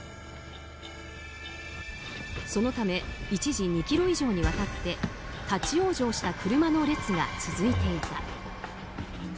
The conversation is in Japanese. そのため一時２ｋｍ以上にわたって立ち往生した車の列が続いていた。